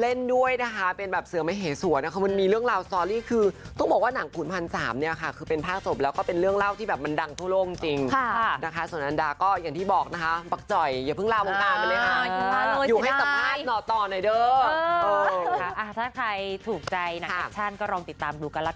เล่นด้วยนะคะเป็นแบบเสือมเหสว